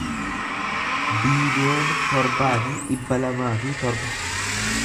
biiliyoona torbaa fi dhibba lamaa fi torba